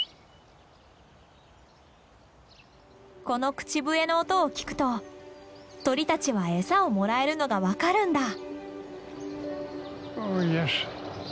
この口笛の音を聞くと鳥たちは餌をもらえるのが分かるんだ。